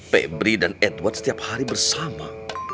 pebri dan edward setiap hari bersama